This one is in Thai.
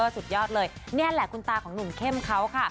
สุดยอดเลยนี่แหละคุณตาของหนุ่มเข้มเขาค่ะ